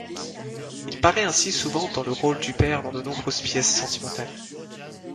Il paraît ainsi souvent dans le rôle du père dans de nombreuses pièces sentimentales.